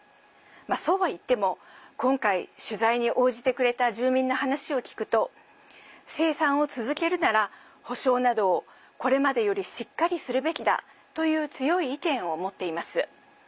そうはいっても今回、取材に応じてくれた住民の話を聞くと生産を続けるなら補償などをこれまでよりしっかりするべきだという強い意見を持っています。